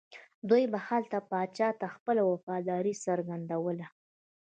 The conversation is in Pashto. دوی به هلته پاچا ته خپله وفاداري څرګندوله.